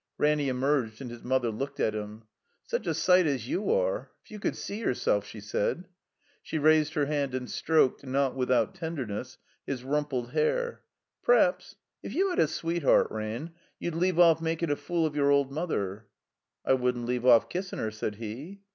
Ranny emerged, and his mother looked at him. "Such a sight as you are. If you could see your self," she said. She raised her hand and stroked, not without tenderness, his rumpled hair. "P'r'aps — If you had a sweetheart, Ran, you'd leave off makin' a fool of your old mother." 'T wouldn't leave off kissin' her," said he.